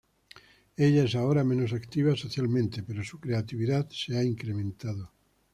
Ella es ahora menos activa socialmente, pero su creatividad se ha incrementado.